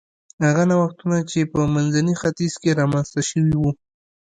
هغه نوښتونه چې په منځني ختیځ کې رامنځته شوي و